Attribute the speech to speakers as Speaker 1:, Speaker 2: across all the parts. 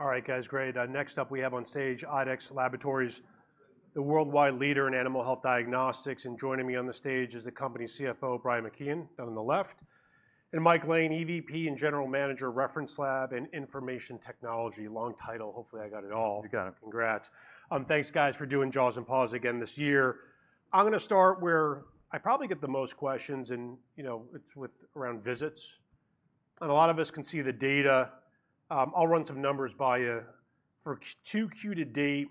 Speaker 1: All right, guys, great. Next up, we have on stage IDEXX Laboratories, the worldwide leader in animal health diagnostics. Joining me on the stage is the company's CFO, Brian McKeon, down on the left, and Mike Lane, EVP and General Manager, Reference Lab and Information Technology. Long title, hopefully I got it all.
Speaker 2: You got it.
Speaker 1: Congrats. Thanks, guys, for doing Jaws & Paws again this year. I'm gonna start where I probably get the most questions and, you know, it's around visits. A lot of us can see the data. I'll run some numbers by you. For 2Q to date,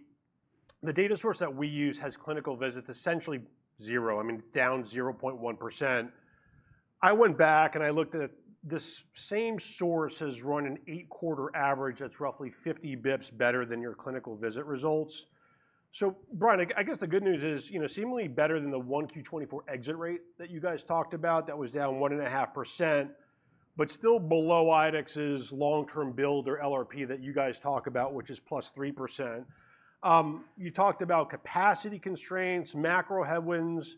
Speaker 1: the data source that we use has clinical visits, essentially zero, I mean, down 0.1%. I went back, and I looked at this same source has run an eight-quarter average that's roughly 50 bips better than your clinical visit results. So Brian, I guess the good news is, you know, seemingly better than the 1Q 2024 exit rate that you guys talked about, that was down 1.5%, but still below IDEXX's long-term build or LRP that you guys talk about, which is +3%. You talked about capacity constraints, macro headwinds.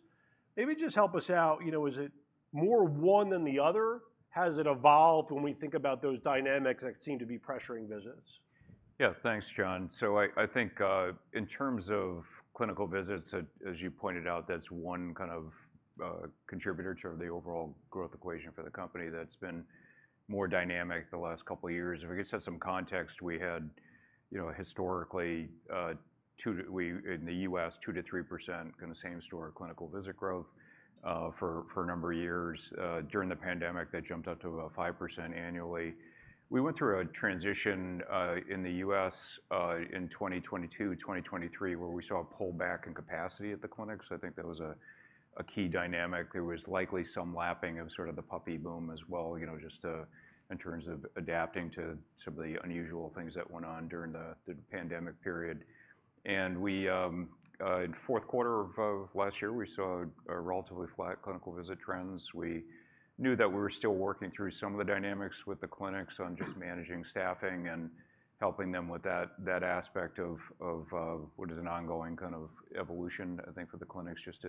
Speaker 1: Maybe just help us out, you know, is it more one than the other? Has it evolved when we think about those dynamics that seem to be pressuring visits?
Speaker 3: Yeah, thanks, Jon. So I think in terms of clinical visits, as you pointed out, that's one kind of contributor to the overall growth equation for the company that's been more dynamic the last couple of years. If I could set some context, we had, you know, historically, 2%-3% in the US same store clinical visit growth for a number of years. During the pandemic, that jumped up to about 5% annually. We went through a transition in the US in 2022, 2023, where we saw a pullback in capacity at the clinics. I think that was a key dynamic. There was likely some lapping of sort of the puppy boom as well, you know, just in terms of adapting to some of the unusual things that went on during the pandemic period. And we in fourth quarter of last year, we saw a relatively flat clinical visit trends. We knew that we were still working through some of the dynamics with the clinics on just managing staffing and helping them with that aspect of what is an ongoing kind of evolution, I think, for the clinics, just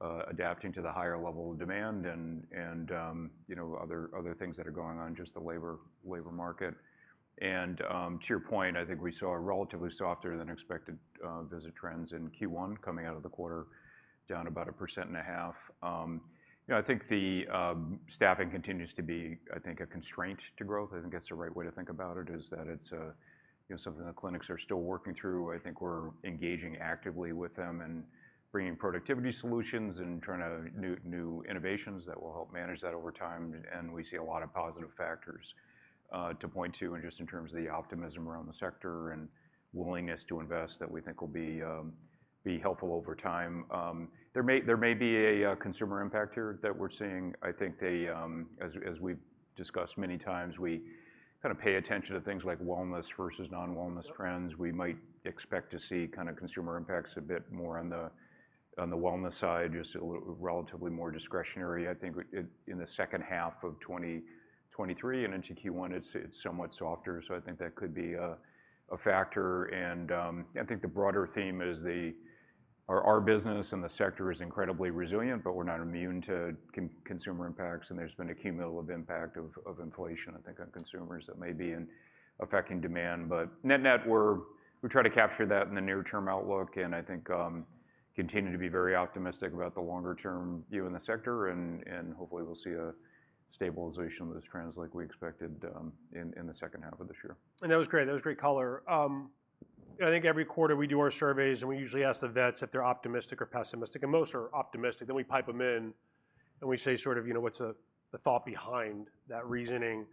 Speaker 3: to adapting to the higher level of demand and you know, other things that are going on, just the labor market. To your point, I think we saw a relatively softer than expected visit trends in Q1 coming out of the quarter, down about 1.5%. You know, I think the staffing continues to be, I think, a constraint to growth. I think that's the right way to think about it, is that it's a, you know, something the clinics are still working through. I think we're engaging actively with them and bringing productivity solutions and trying out new, new innovations that will help manage that over time, and we see a lot of positive factors to point to and just in terms of the optimism around the sector and willingness to invest, that we think will be be helpful over time. There may, there may be a consumer impact here that we're seeing. I think the... As we've discussed many times, we kinda pay attention to things like wellness versus non-wellness trends. We might expect to see kinda consumer impacts a bit more on the wellness side, just a little relatively more discretionary. I think in the second half of 2023 and into Q1, it's somewhat softer, so I think that could be a factor. And I think the broader theme is our business and the sector is incredibly resilient, but we're not immune to consumer impacts, and there's been a cumulative impact of inflation, I think, on consumers that may be affecting demand. But net-net, we're, we try to capture that in the near term outlook, and I think, continue to be very optimistic about the longer term view in the sector and, and hopefully we'll see a stabilization of those trends like we expected, in, in the second half of this year.
Speaker 1: That was great. That was great color. I think every quarter we do our surveys, and we usually ask the vets if they're optimistic or pessimistic, and most are optimistic. Then we pipe them in, and we say sort of, you know, what's the thought behind that reasoning?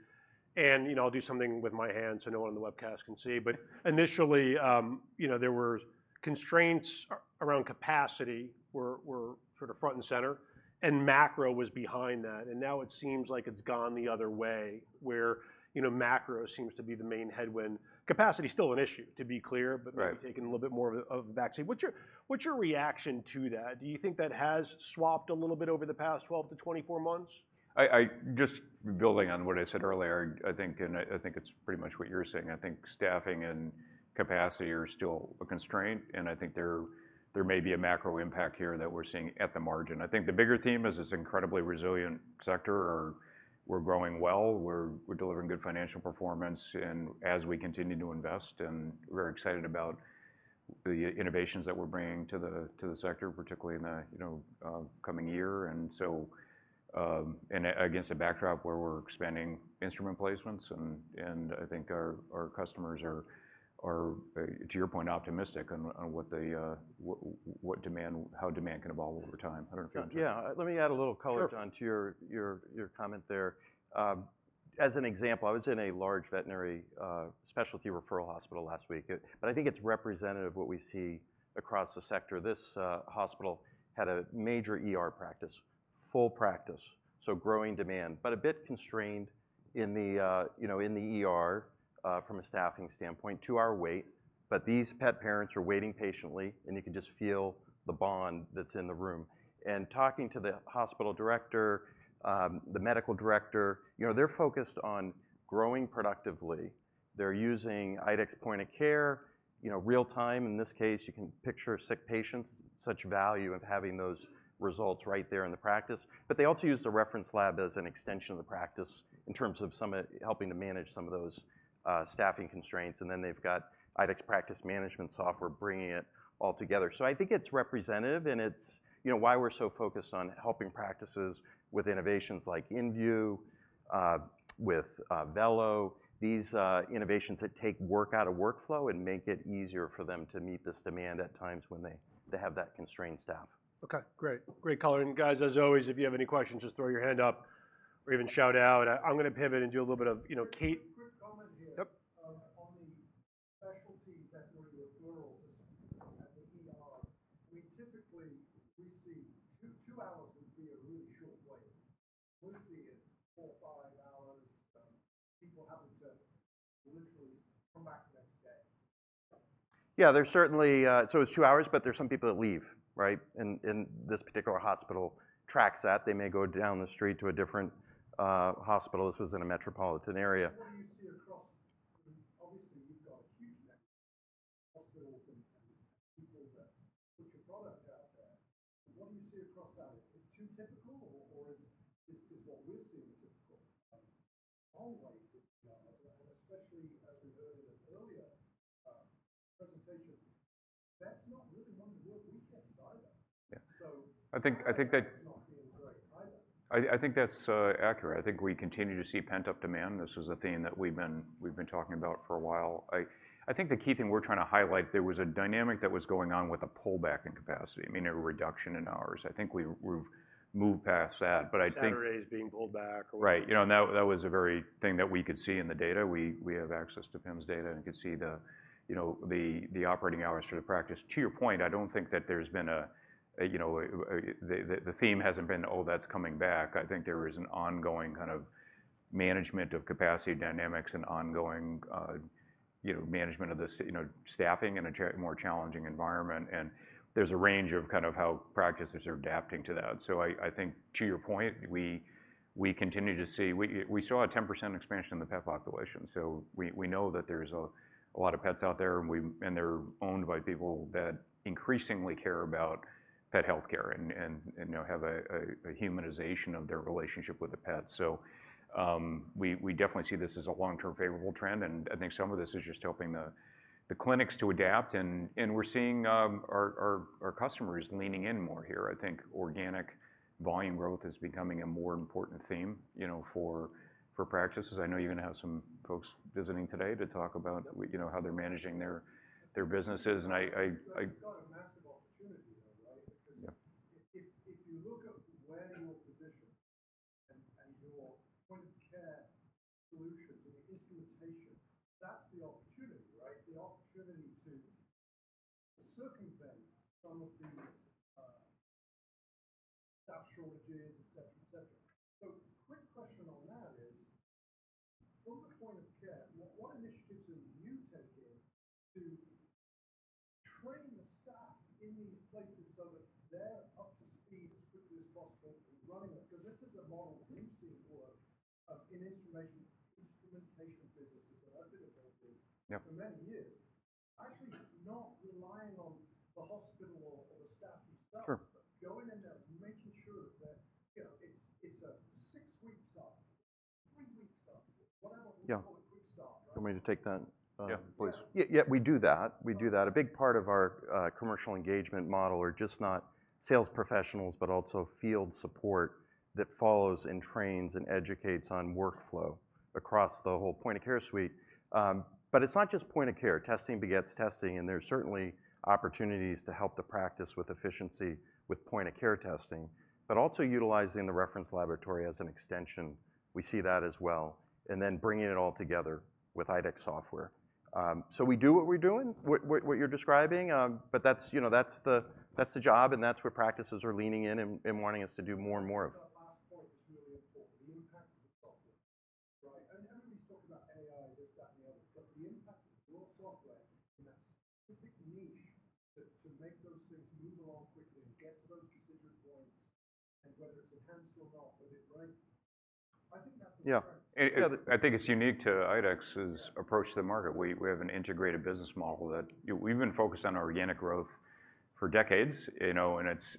Speaker 1: And, you know, I'll do something with my hands so no one on the webcast can see. But initially, you know, there were constraints around capacity were sort of front and center, and macro was behind that. And now it seems like it's gone the other way, where, you know, macro seems to be the main headwind. Capacity is still an issue, to be clear but maybe taking a little bit more of a back seat. What's your reaction to that? Do you think that has swapped a little bit over the past 12-24 months?
Speaker 3: Just building on what I said earlier, I think, and I think it's pretty much what you're saying. I think staffing and capacity are still a constraint, and I think there may be a macro impact here that we're seeing at the margin. I think the bigger theme is it's an incredibly resilient sector. We're growing well, we're delivering good financial performance, and as we continue to invest, and we're excited about the innovations that we're bringing to the sector, particularly in the you know coming year. And so, against a backdrop where we're expanding instrument placements, and I think our customers are to your point, optimistic on what demand-how demand can evolve over time. I don't know if you want to.
Speaker 2: Yeah, let me add a little color to your comment there. As an example, I was in a large veterinary specialty referral hospital last week, but I think it's representative of what we see across the sector. This hospital had a major ER practice, full practice, so growing demand, but a bit constrained in the, you know, in the ER, from a staffing standpoint, two-hour wait. But these pet parents are waiting patiently, and you can just feel the bond that's in the room. And talking to the hospital director, the medical director, you know, they're focused on growing productively. They're using IDEXX point-of-care, you know, real time. In this case, you can picture sick patients, such value of having those results right there in the practice. But they also use the reference lab as an extension of the practice in terms of some of helping to manage some of those staffing constraints. And then they've got IDEXX practice management software, bringing it all together. So I think it's representative, and it's, you know, why we're so focused on helping practices with innovations like inVue, with Vello. These innovations that take work out of workflow and make it easier for them to meet this demand at times when they have that constrained staff.
Speaker 1: Okay, great. Great color. And guys, as always, if you have any questions, just throw your hand up or even shout out. I'm gonna pivot and do a little bit of, you know, Kate.
Speaker 4: Quick comment here. Typically, we see 2 hours would be a really short wait. We're seeing 4, 5 hours, people having to literally come back the next day.
Speaker 2: Yeah, there's certainly. So it's 2 hours, but there's some people that leave, right? And this particular hospital tracks that. They may go down the street to a different hospital. This was in a metropolitan area.
Speaker 4: What do you see across—obviously, you've got a huge network of hospitals and people that put your product out there. What do you see across that? Is it too typical, or is what we're seeing typical? Always, especially as we heard in an earlier presentation, that's not really one of the work weekends either.
Speaker 3: Yeah. I think that, I think that's accurate. I think we continue to see pent-up demand. This is a theme that we've been talking about for a while. I think the key thing we're trying to highlight, there was a dynamic that was going on with a pullback in capacity. I mean, a reduction in hours. I think we've moved past that, but I think.
Speaker 2: Saturdays being pulled back.
Speaker 3: Right. You know, and that, that was a very thing that we could see in the data. We have access to PIMS data and could see the, you know, the operating hours for the practice. To your point, I don't think that there's been a, you know, the theme hasn't been, oh, that's coming back. I think there is an ongoing kind of management of capacity dynamics and ongoing, you know, management of the staffing in a more challenging environment, and there's a range of kind of how practices are adapting to that. So I think, to your point, we continue to see. We saw a 10% expansion in the pet population, so we know that there's a lot of pets out there, and they're owned by people that increasingly care about pet healthcare and, you know, have a humanization of their relationship with the pet. So, we definitely see this as a long-term favorable trend, and I think some of this is just helping the clinics to adapt and we're seeing our customers leaning in more here. I think organic volume growth is becoming a more important theme, you know, for practices. I know you're gonna have some folks visiting today to talk about you know, how they're managing their businesses. And I.
Speaker 4: If you look at where your position and your point of care solutions and the instrumentation, that's the opportunity, right? The opportunity to circumvent some of these, staff shortages, et cetera, et cetera. So quick question on that is, from the point of care, what initiatives are you taking to train the staff in these places so that they're up to speed as quickly as possible to running it? Because this is a model that we've seen work, in instrumentation businesses that I've been involved in for many years. Actually, not relying on the hospital or, or the staff themselves, but going in there and making sure that, you know, it's, it's a 6-week start, 3-week start.
Speaker 2: Yeah, you want me to take that?
Speaker 3: Yeah, please.
Speaker 2: Yeah, yeah, we do that. We do that. A big part of our commercial engagement model are just not sales professionals, but also field support that follows and trains and educates on workflow across the whole point-of-care suite. But it's not just point of care. Testing begets testing, and there's certainly opportunities to help the practice with efficiency, with point-of-care testing, but also utilizing the reference laboratory as an extension. We see that as well, and then bringing it all together with IDEXX software. So we do what we're doing, what, what, what you're describing, but that's, you know, that's the, that's the job, and that's where practices are leaning in and, and wanting us to do more and more of.
Speaker 4: That last point is really important, the impact of the software, right? And everybody's talking about AI, this, that, and the other, but the impact of your software in a specific niche to make those things move along quickly and get to those decision points and whether it's enhanced or not, but it right. I think that's-
Speaker 3: Yeah. I think it's unique to IDEXX's, approach to the market. We have an integrated business model that. We've been focused on organic growth for decades, you know, and it's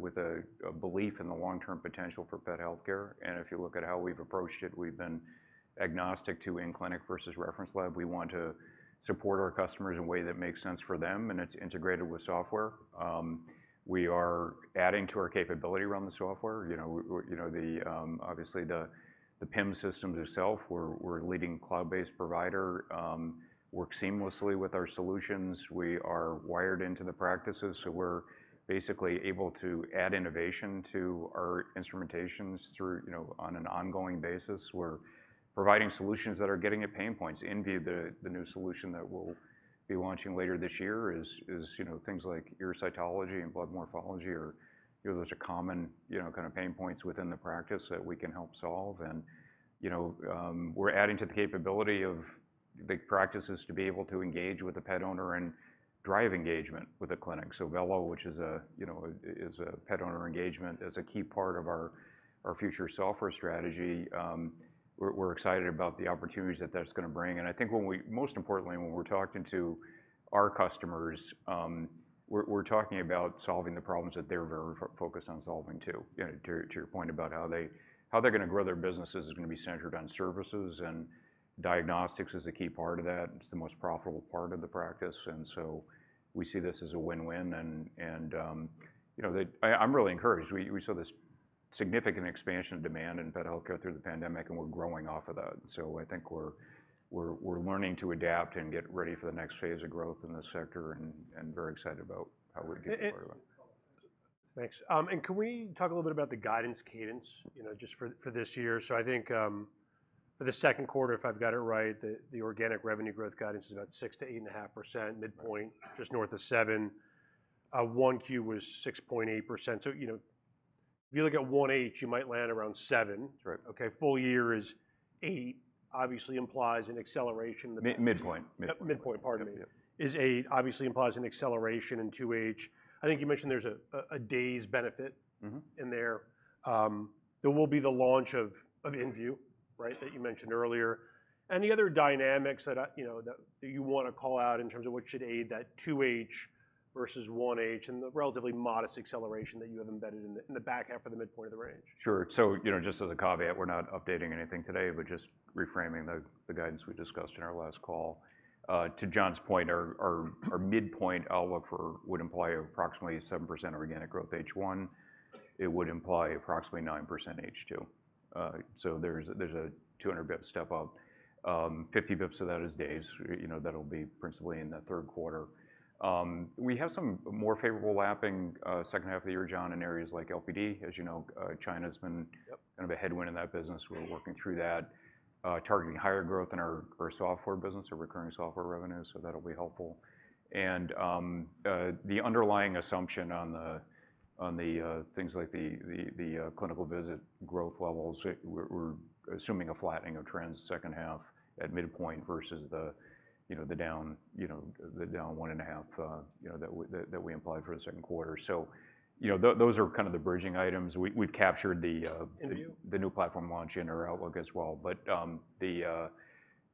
Speaker 3: with a belief in the long-term potential for pet healthcare. And if you look at how we've approached it, we've been agnostic to in-clinic versus reference lab. We want to support our customers in a way that makes sense for them, and it's integrated with software. We are adding to our capability around the software. You know, we you know, the obviously, the PIM systems themselves, we're a leading cloud-based provider work seamlessly with our solutions. We are wired into the practices, so we're basically able to add innovation to our instrumentations through you know on an ongoing basis. We're providing solutions that are getting at pain points. InVue, the new solution that we'll be launching later this year is, you know, things like urocytology and blood morphology, or those are common, you know, kind of pain points within the practice that we can help solve. And, you know, we're adding to the capability of the practices to be able to engage with the pet owner and drive engagement with the clinic. So Vello, which is, you know, a pet owner engagement, is a key part of our future software strategy. We're excited about the opportunities that that's gonna bring, and I think when we—most importantly, when we're talking to our customers, we're talking about solving the problems that they're very focused on solving too. You know, to your point about how they're gonna grow their businesses is gonna be centered on services, and diagnostics is a key part of that. It's the most profitable part of the practice, and so we see this as a win-win, and you know, I'm really encouraged. We saw this significant expansion of demand in pet healthcare through the pandemic, and we're growing off of that. So I think we're learning to adapt and get ready for the next phase of growth in this sector and very excited about how we're getting to.
Speaker 1: Thanks. And can we talk a little bit about the guidance cadence, you know, just for this year? So I think, for the Q2, if I've got it right, the organic revenue growth guidance is about 6%-8.5%, midpoint just north of 7%. 1Q was 6.8%. So, you know, if you look at 1H, you might land around 7%.
Speaker 3: That's right.
Speaker 1: Okay, full year is 8, obviously implies an acceleration.
Speaker 3: Midpoint, midpoint.
Speaker 1: Midpoint, pardon me. 8 obviously implies an acceleration in 2H. I think you mentioned there's a days benefit in there. There will be the launch of inVue, right? That you mentioned earlier. Any other dynamics that, you know, that you wanna call out in terms of what should aid that 2H versus 1H, and the relatively modest acceleration that you have embedded in the back half of the midpoint of the range?
Speaker 3: Sure. So, you know, just as a caveat, we're not updating anything today, but just reframing the guidance we discussed in our last call. To Jon's point, our midpoint outlook for would imply approximately 7% organic growth H1. It would imply approximately 9% H2. So there's a 200 bips step up. 50 bips, so that is days. You know, that'll be principally in the third quarter. We have some more favorable lapping, second half of the year, Jon, in areas like LPD. As you know, China's been kind of a headwind in that business. We're working through that, targeting higher growth in our, our software business, our recurring software revenue, so that'll be helpful. And, the underlying assumption on the, on the, things like the, the, the, clinical visit growth levels, we're, we're assuming a flattening of trends second half at midpoint, versus the, you know, the down, you know, the down 1.5, you know, that we, that, that we implied for the Q2. So, you know, those are kind of the bridging items. We've captured the new platform launch in our outlook as well. But, you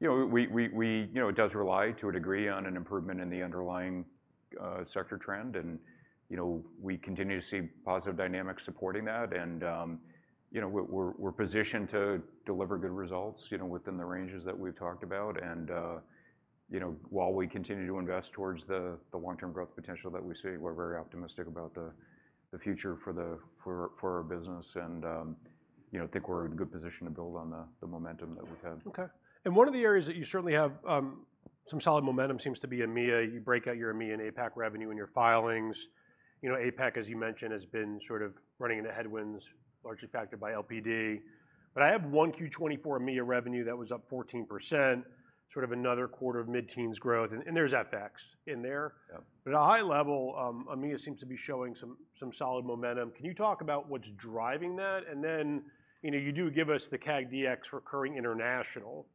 Speaker 3: know, it does rely to a degree on an improvement in the underlying sector trend. And, you know, we continue to see positive dynamics supporting that, and, you know, we're positioned to deliver good results, you know, within the ranges that we've talked about. And, you know, while we continue to invest towards the long-term growth potential that we see, we're very optimistic about the future for our business. And, you know, think we're in a good position to build on the momentum that we've had.
Speaker 1: Okay. And one of the areas that you certainly have some solid momentum seems to be EMEA. You break out your EMEA and APAC revenue in your filings. You know, APAC, as you mentioned, has been sort of running into headwinds, largely factored by LPD. But I have 1Q 2024 EMEA revenue that was up 14%, sort of another quarter of mid-teens growth, and there's FX in there. At a high level, EMEA seems to be showing some solid momentum. Can you talk about what's driving that? And then, you know, you do give us the CAG DX recurring international,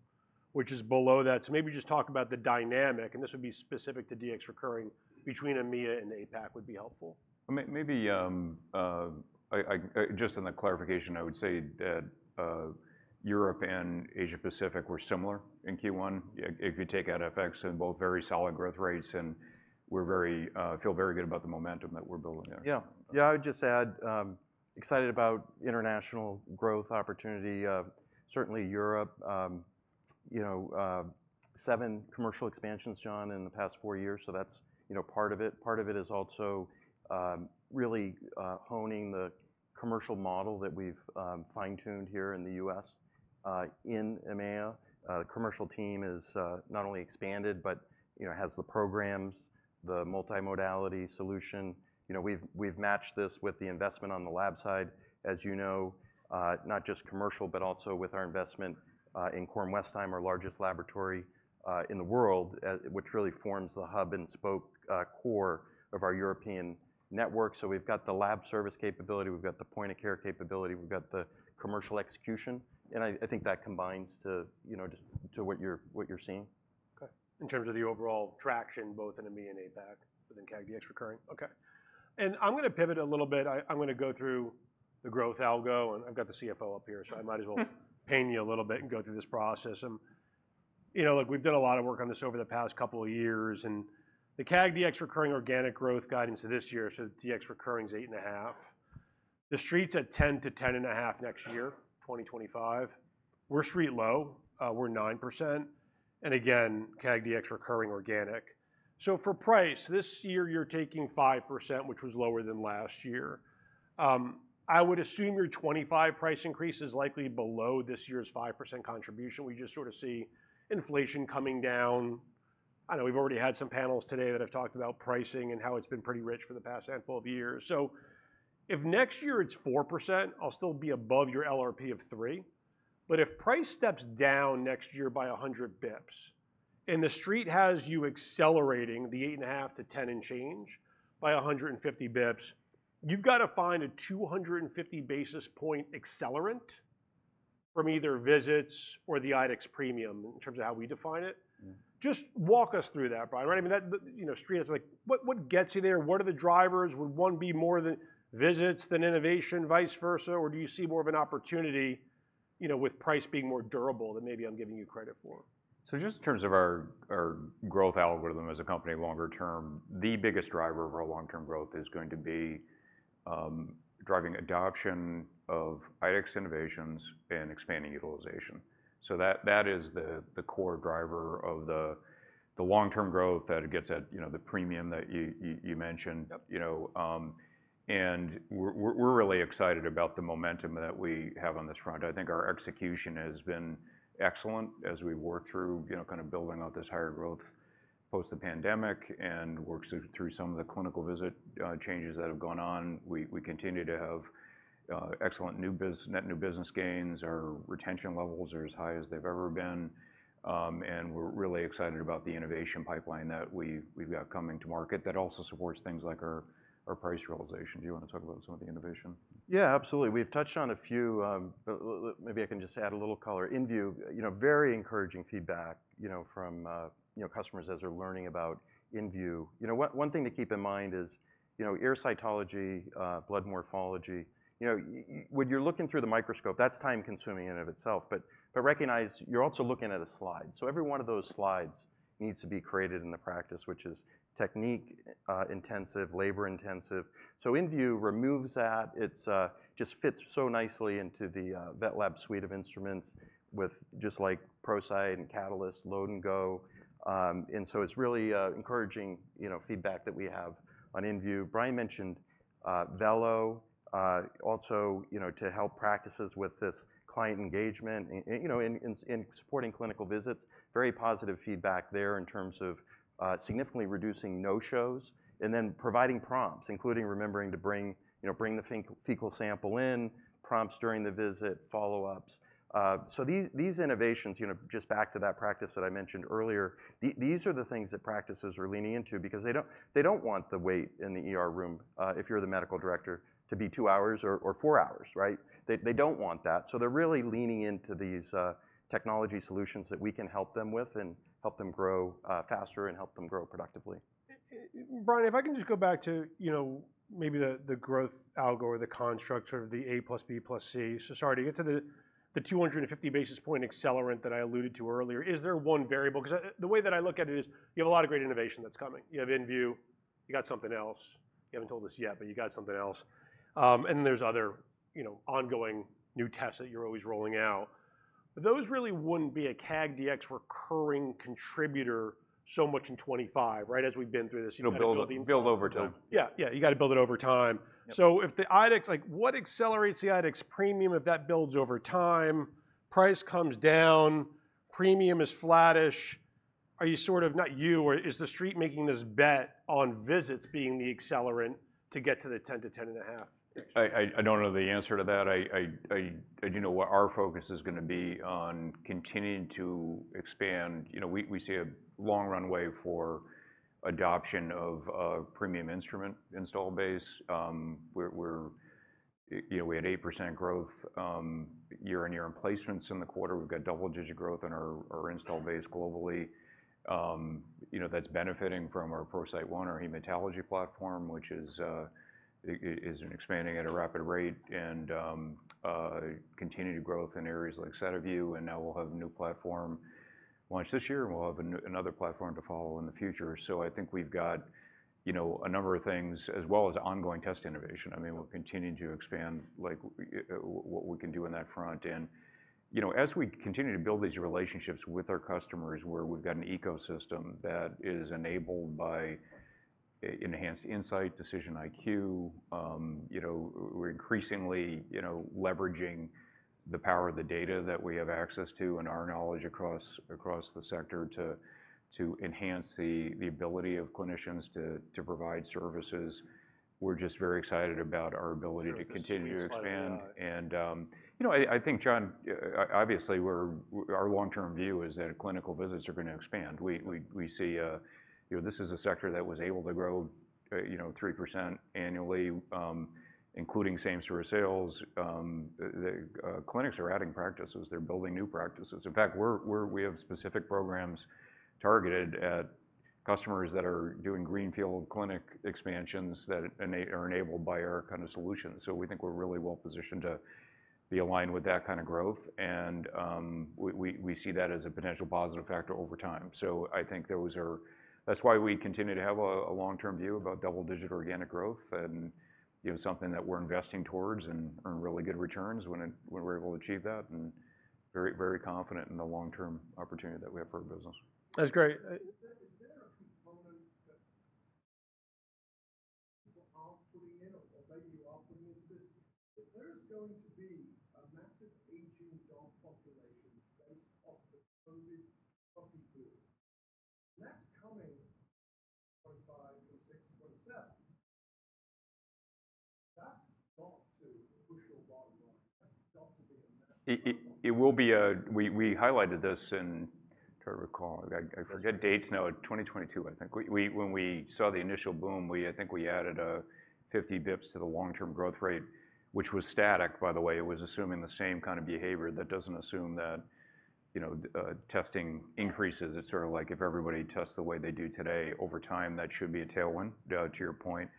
Speaker 1: which is below that. So maybe just talk about the dynamic, and this would be specific to DX recurring between EMEA and APAC would be helpful.
Speaker 3: Maybe, just in the clarification, I would say that Europe and Asia Pacific were similar in Q1. If you take out FX in both very solid growth rates, and we feel very good about the momentum that we're building there.
Speaker 2: Yeah, I would just add, excited about international growth opportunity. Certainly Europe, you know, seven commercial expansions, Jon, in the past four years, so that's, you know, part of it. Part of it is also, really, honing the commercial model that we've fine-tuned here in the US, in EMEA. The commercial team is not only expanded, but you know, has the programs, the multimodality solution. You know, we've matched this with the investment on the lab side, as you know, not just commercial, but also with our investment in Kornwestheim, our largest laboratory in the world, which really forms the hub and spoke core of our European network. So we've got the lab service capability, we've got the point of care capability, we've got the commercial execution, and I, I think that combines to, you know, just to what you're, what you're seeing.
Speaker 1: Okay. In terms of the overall traction, both in EMEA and APAC, within CAG DX recurring. Okay, and I'm gonna pivot a little bit. I, I'm gonna go through the growth algo, and I've got the CFO up here - so I might as well pain you a little bit and go through this process. You know, look, we've done a lot of work on this over the past couple of years, and the CAG DX recurring organic growth guidance this year, so DX recurring is 8.5. The Street's at 10-10.5 next year, 2025. We're Street low, we're 9%, and again, CAG DX recurring organic. So for price, this year, you're taking 5%, which was lower than last year. I would assume your 2025 price increase is likely below this year's 5% contribution. We just sort of see inflation coming down. I know we've already had some panels today that have talked about pricing, and how it's been pretty rich for the past handful of years. So if next year it's 4%, I'll still be above your LRP of 3%. But if price steps down next year by 100 basis points, and the Street has you accelerating the 8.5% to 10% and change by 150 basis points, you've got to find a 250 basis point accelerant from either visits or the IDEXX premium, in terms of how we define it. Just walk us through that, Brian, right? I mean, that, the, you know, Street is like, what, what gets you there? What are the drivers? Would one be more the visits than innovation, vice versa, or do you see more of an opportunity, you know, with price being more durable than maybe I'm giving you credit for?
Speaker 3: So just in terms of our growth algorithm as a company, longer term, the biggest driver of our long-term growth is going to be driving adoption of IDEXX innovations and expanding utilization. So that is the core driver of the long-term growth that it gets at, you know, the premium that you mentioned. You know, and we're really excited about the momentum that we have on this front. I think our execution has been excellent as we work through, you know, kinda building out this higher growth post the pandemic, and work through some of the clinical visit changes that have gone on. We continue to have excellent net new business gains. Our retention levels are as high as they've ever been, and we're really excited about the innovation pipeline that we've got coming to market that also supports things like our price realization. Do you wanna talk about some of the innovation?
Speaker 2: Yeah, absolutely. We've touched on a few, but maybe I can just add a little color. inVue, you know, very encouraging feedback, you know, from, you know, customers as they're learning about inVue. You know, one thing to keep in mind is, you know, ear cytology, blood morphology, you know, when you're looking through the microscope, that's time-consuming in and of itself, but recognize you're also looking at a slide. So every one of those slides needs to be created in the practice, which is technique intensive, labor intensive. So inVue removes that. It just fits so nicely into the VetLab suite of instruments, with just like ProCyte and Catalyst, load and go. And so it's really encouraging, you know, feedback that we have on inVue. Brian mentioned Vello, also, you know, to help practices with this client engagement, you know, in supporting clinical visits. Very positive feedback there in terms of significantly reducing no-shows, and then providing prompts, including remembering to bring, you know, bring the fecal sample in, prompts during the visit, follow-ups. So these innovations, you know, just back to that practice that I mentioned earlier, these are the things that practices are leaning into because they don't, they don't want the wait in the ER room, if you're the medical director, to be two hours or four hours, right? They don't want that, so they're really leaning into these technology solutions that we can help them with, and help them grow faster and help them grow productively.
Speaker 1: Brian, if I can just go back to, you know, maybe the growth algo or the construct, sort of the A plus B plus C. So sorry, to get to the 250 basis points accelerant that I alluded to earlier, is there one variable? 'Cause I... The way that I look at it is, you have a lot of great innovation that's coming. You have inVue, you got something else. You haven't told us yet, but you got something else. And there's other, you know, ongoing new tests that you're always rolling out. But those really wouldn't be a CAG DX recurring contributor so much in 2025, right, as we've been through this, you know, building.
Speaker 3: You build it, build over time.
Speaker 1: Yeah, yeah, you gotta build it over time. So if the IDEXX, like, what accelerates the IDEXX premium, if that builds over time, price comes down, premium is flattish, are you sort of, not you or- is the street making this bet on visits being the accelerant to get to the 10-10.5?
Speaker 3: I don't know the answer to that. I do know what our focus is gonna be on continuing to expand. You know, we see a long runway for adoption of a premium instrument install base. You know, we had 8% growth year-over-year in placements in the quarter. We've got double-digit growth in our install base globally. You know, that's benefiting from our ProCyte One, our hematology platform, which is expanding at a rapid rate and continued growth in areas like SediVue Dx, and now we'll have a new platform launched this year, and we'll have another platform to follow in the future. So I think we've got, you know, a number of things, as well as ongoing test innovation. I mean, we'll continue to expand, like, what we can do on that front. And, you know, as we continue to build these relationships with our customers, where we've got an ecosystem that is enabled by e-enhanced insight, DecisionIQ, you know, we're increasingly, you know, leveraging the power of the data that we have access to and our knowledge across the sector to enhance the ability of clinicians to provide services. We're just very excited about our ability to continue to expand.
Speaker 1: Sure.
Speaker 3: And, you know, I think, Jon, obviously, we're... Our long-term view is that clinical visits are gonna expand. We see, you know, this is a sector that was able to grow, you know, 3% annually, including same store sales. The clinics are adding practices. They're building new practices. In fact, we have specific programs targeted at customers that are doing greenfield clinic expansions that are enabled by our kind of solutions. So we think we're really well positioned to be aligned with that kind of growth and, we see that as a potential positive factor over time. So I think those are, that's why we continue to have a long-term view about double-digit organic growth and, you know, something that we're investing towards and earn really good returns when we're able to achieve that, and very, very confident in the long-term opportunity that we have for our business.
Speaker 4: That's great. Is there a component that people aren't putting in or maybe you are putting into this? That there is going to be a massive aging dog population based off the COVID puppy boom. That's coming 2025, 2026, 2027. That's got to push your bottom line. That's got to be in there.
Speaker 3: We highlighted this in, trying to recall. I forget dates now. 2022, I think. When we saw the initial boom, I think we added 50 bips to the long-term growth rate, which was static, by the way. It was assuming the same kind of behavior that doesn't assume that you know, testing increases. It's sort of like if everybody tests the way they do today, over time, that should be a tailwind to your point.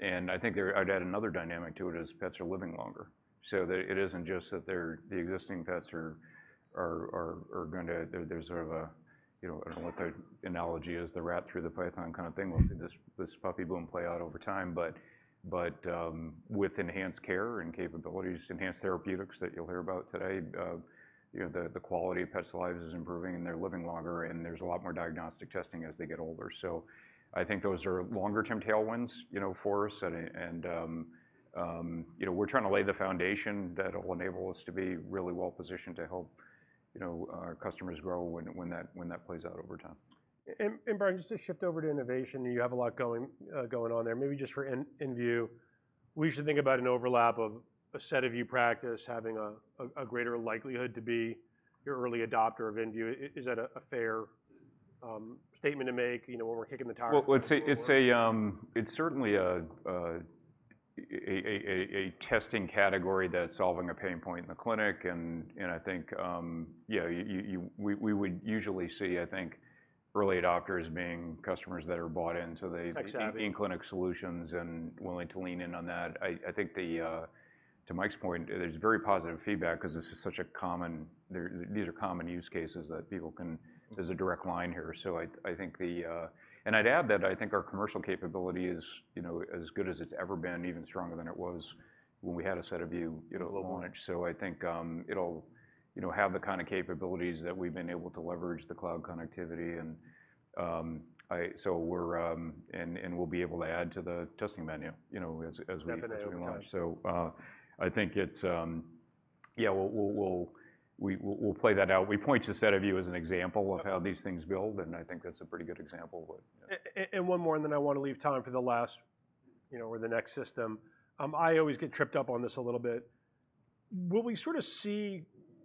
Speaker 3: And I think there, I'd add another dynamic to it, is pets are living longer. So it isn't just that they're, the existing pets are gonna, there's sort of a, you know. I don't know what the analogy is, the rat through the python kind of thing. We'll see this puppy boom play out over time, but with enhanced care and capabilities, enhanced therapeutics that you'll hear about today, you know, the quality of pets' lives is improving, and they're living longer, and there's a lot more diagnostic testing as they get older. So I think those are longer-term tailwinds, you know, for us, and you know, we're trying to lay the foundation that will enable us to be really well positioned to help, you know, our customers grow when that plays out over time.
Speaker 1: And Brian, just to shift over to innovation, you have a lot going on there. Maybe just for inVue, we should think about an overlap of a SediVue practice having a greater likelihood to be your early adopter of inVue. Is that a fair statement to make, you know, when we're kicking the tire?
Speaker 3: Well, it's certainly a testing category that's solving a pain point in the clinic, and I think we would usually see, I think, early adopters being customers that are bought into the.
Speaker 1: Exactly
Speaker 3: In-clinic solutions and willing to lean in on that. I think to Mike's point, there's very positive feedback 'cause this is such a common... These are common use cases that people can—there's a direct line here. So I think, and I'd add that I think our commercial capability is, you know, as good as it's ever been, even stronger than it was when we had a SediVue, you know, launch. So I think it'll, you know, have the kind of capabilities that we've been able to leverage the cloud connectivity, and we'll be able to add to the testing menu, you know, as we launch.
Speaker 1: Definitely over time.
Speaker 3: So, I think it's. Yeah, we'll play that out. We point to SediVue Dx as an example of how these things build, and I think that's a pretty good example, but yeah.
Speaker 1: One more, and then I want to leave time for the last, you know, or the next system. I always get tripped up on this a little bit. Will we sort of see,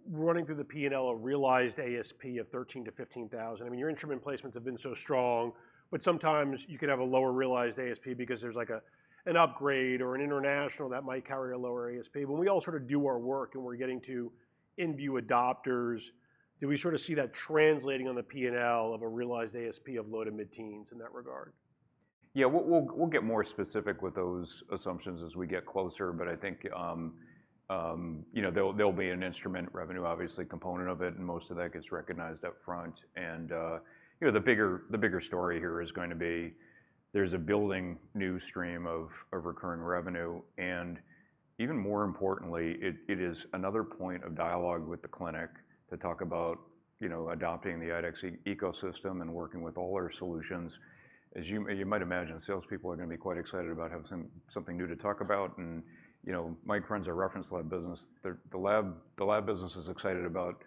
Speaker 1: running through the P&L, a realized ASP of $13,000-$15,000? I mean, your instrument placements have been so strong, but sometimes you could have a lower realized ASP because there's, like a, an upgrade or an international that might carry a lower ASP. When we all sort of do our work, and we're getting to inVue adopters, do we sort of see that translating on the P&L of a realized ASP of low to mid-teens in that regard?
Speaker 3: Yeah, we'll, we'll get more specific with those assumptions as we get closer, but I think, you know, there'll be an instrument revenue, obviously, component of it, and most of that gets recognized up front. And, you know, the bigger story here is going to be, there's a building new stream of recurring revenue, and even more importantly, it is another point of dialogue with the clinic to talk about, you know, adopting the IDEXX ecosystem and working with all our solutions. As you might imagine, salespeople are going to be quite excited about having something new to talk about, and, you know, Mike runs our reference lab business. The lab business is excited about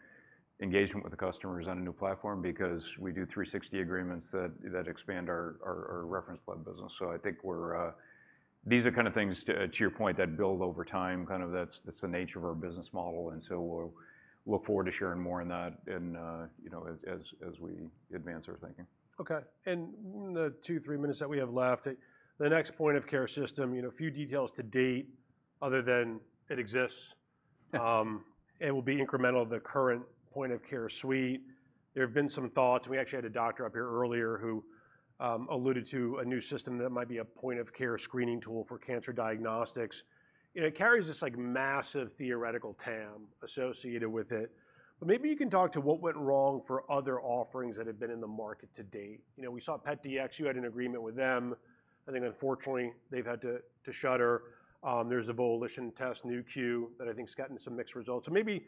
Speaker 3: engagement with the customers on a new platform because we do 360 agreements that expand our reference lab business. So I think we're... These are kind of things, to your point, that build over time. Kind of that's the nature of our business model, and so we'll look forward to sharing more on that and, you know, as we advance our thinking.
Speaker 1: Okay, and in the 2-3 minutes that we have left, the next point-of-care system, you know, a few details to date, other than it exists. It will be incremental to the current point-of-care suite. There have been some thoughts, and we actually had a doctor up here earlier who alluded to a new system that might be a point-of-care screening tool for cancer diagnostics. You know, it carries this, like, massive theoretical TAM associated with it, but maybe you can talk to what went wrong for other offerings that have been in the market to date. You know, we saw PetDx. You had an agreement with them, and then unfortunately, they've had to shutter. There's a Volition test, Nu.Q, that I think's gotten some mixed results. So maybe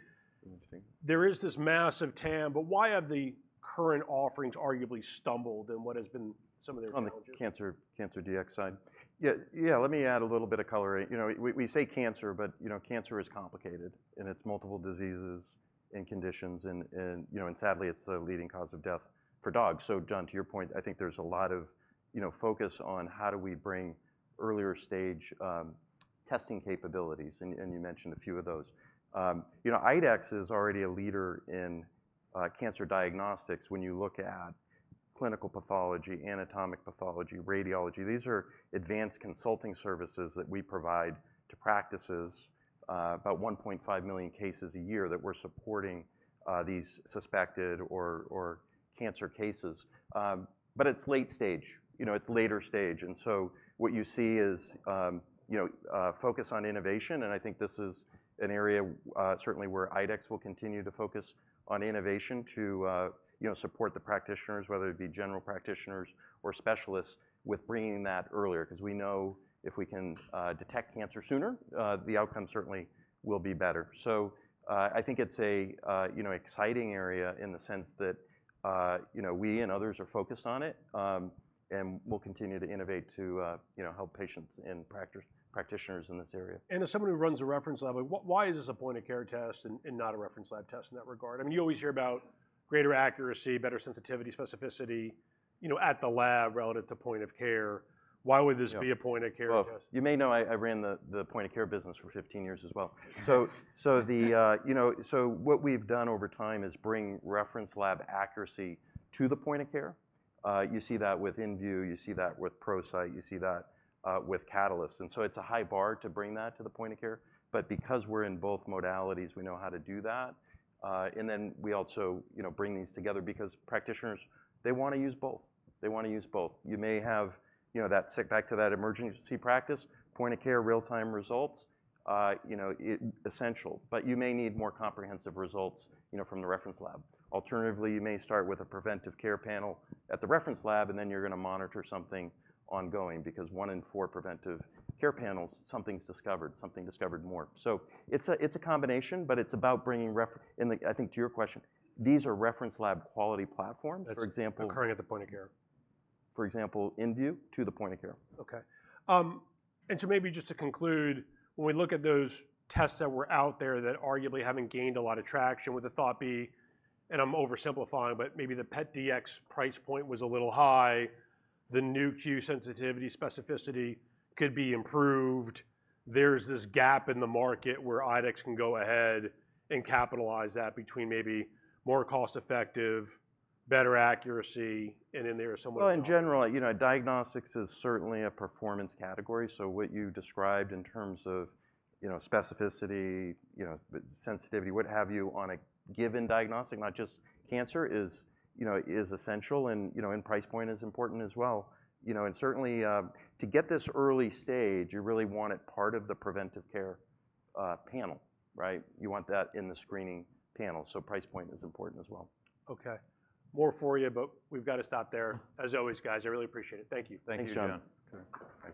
Speaker 1: there is this massive TAM, but why have the current offerings arguably stumbled, and what has been some of their challenges?
Speaker 3: On the cancer, cancer Dx side? Yeah, yeah, let me add a little bit of color. You know, we say cancer, but you know, cancer is complicated, and it's multiple diseases and conditions, and you know, and sadly, it's the leading cause of death for dogs. So Jon, to your point, I think there's a lot of focus on how do we bring earlier stage testing capabilities, and you mentioned a few of those. You know, IDEXX is already a leader in cancer diagnostics when you look at clinical pathology, anatomic pathology, radiology. These are advanced consulting services that we provide to practices about 1.5 million cases a year that we're supporting these suspected or cancer cases. But it's late stage, you know, it's later stage, and so what you see is, you know, focus on innovation, and I think this is an area, certainly where IDEXX will continue to focus on innovation to, you know, support the practitioners, whether it be general practitioners or specialists, with bringing that earlier. 'Cause we know if we can, detect cancer sooner, the outcome certainly will be better. So, I think it's a, you know, exciting area in the sense that, you know, we and others are focused on it, and we'll continue to innovate to, you know, help patients and practitioners in this area.
Speaker 1: As someone who runs a reference lab, I mean, why is this a point-of-care test and, and not a reference lab test in that regard? I mean, you always hear about greater accuracy, better sensitivity, specificity, you know, at the lab relative to point-of-care. Why would this be a point-of-care test?
Speaker 2: Well, you may know, I ran the point-of-care business for 15 years as well. So, you know, so what we've done over time is bring reference lab accuracy to the point of care. You see that with inVue, you see that with ProCyte, you see that with Catalyst, and so it's a high bar to bring that to the point of care, but because we're in both modalities, we know how to do that. And then we also, you know, bring these together because practitioners, they wanna use both. They wanna use both. You may have, you know, that, back to that emergency practice, point of care, real-time results, you know, it's essential. But you may need more comprehensive results, you know, from the reference lab. Alternatively, you may start with a preventive care panel at the reference lab, and then you're gonna monitor something ongoing, because one in four preventive care panels, something's discovered, something discovered more. So it's a, it's a combination, but it's about bringing refer, and, I think to your question, these are reference lab quality platforms. For example-
Speaker 1: That's occurring at the point-of-care.
Speaker 3: For example, inVue to the point-of-care.
Speaker 1: Okay, and so maybe just to conclude, when we look at those tests that were out there that arguably haven't gained a lot of traction, would the thought be, and I'm oversimplifying, but maybe the PetDx price point was a little high, the Nu.Q sensitivity specificity could be improved. There's this gap in the market where IDEXX can go ahead and capitalize that between maybe more cost effective, better accuracy, and then there are somewhat-
Speaker 3: Well, in general, you know, diagnostics is certainly a performance category, so what you described in terms of, you know, specificity, you know, sensitivity, what have you, on a given diagnostic, not just cancer, is, you know, is essential and, you know, and price point is important as well. You know, and certainly, to get this early stage, you really want it part of the preventive care, panel, right? You want that in the screening panel, so price point is important as well.
Speaker 1: Okay. More for you, but we've got to stop there. As always, guys, I really appreciate it. Thank you.
Speaker 3: Thank you, Jon.
Speaker 1: Thanks, Jon.
Speaker 3: Okay. Thank you.